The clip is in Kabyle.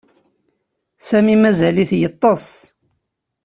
Sami mazal-it yettess.